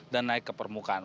dan naik ke permukaan